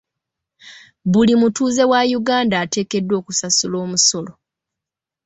Buli mutuuze wa Uganda ateekeddwa okusasula omusolo.